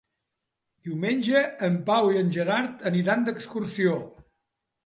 Diumenge en Pau i en Gerard aniran d'excursió.